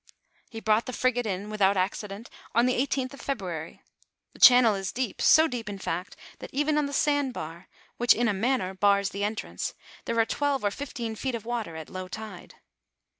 He brought the frigate in without acci dent on the eighteenth of February' ; the channel is deep, so deep in fact, that even on the sand bar, which in a manner bars the entrance, there are twelve or jfifteen feet of water at low tide.